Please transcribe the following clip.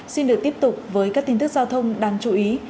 xin được tiếp tục với các tin tức giao thông đáng chú ý